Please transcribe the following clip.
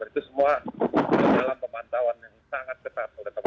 dan itu semua dalam pemantauan yang sangat ketat